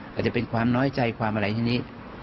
ก็จะเป็นความน้อยใจความอะไรทีนี้